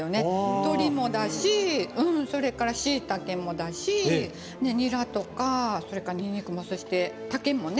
鶏もだしそれから、しいたけもだしニラとか、にんにくもそして、竹もね